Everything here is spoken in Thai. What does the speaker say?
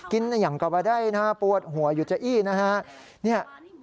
กินให้อย่างกลัวไปได้นะฮะปวดหัวมันอยู่ไหนนะฮะ